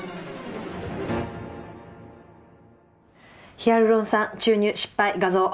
ヒアルロン酸注入失敗画像。